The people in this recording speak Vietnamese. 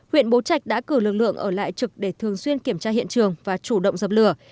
huyện bố trạch đã cử lực lượng ở lại trực để thường xuyên kiểm tra hiện trường và chủ động dập lửa